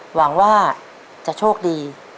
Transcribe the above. หวังว่าจะโชคดี